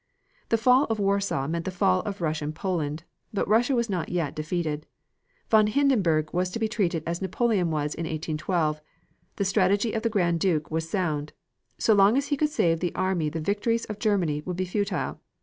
The fall of Warsaw meant the fall of Russian Poland, but Russia was not yet defeated. Von Hindenburg was to be treated as Napoleon was in 1812, The strategy of the Grand Duke was sound; so long as he could save the army the victories of Germany would be futile.